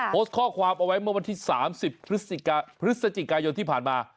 โพสต์ข้อความเอาไว้เมื่อวันที่๓๐พฤศจิกายนที่ผ่านมา